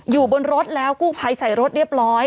อยู่บนรถแล้วกู้ภัยใส่รถเรียบร้อย